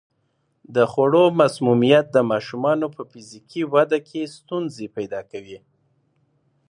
د خوړو مسمومیت د ماشومانو په فزیکي وده کې ستونزې پیدا کوي.